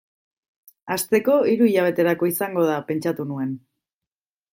Hasteko, hiru hilabeterako izango da, pentsatu nuen.